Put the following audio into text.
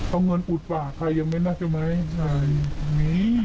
เอาเงินอุดปากใครยังไม่น่าใช่ไหม